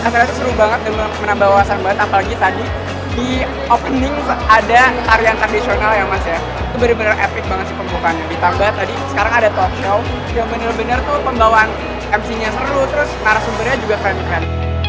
terus narasumbernya juga keren keren